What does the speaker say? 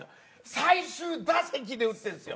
最終打席で打ってるんですよ。